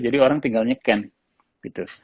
jadi orang tinggal nge can gitu